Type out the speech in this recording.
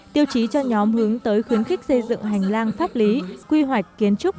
tiêu chí cho nhóm hướng tới khuyến khích xây dựng hành lang pháp lý quy hoạch kiến trúc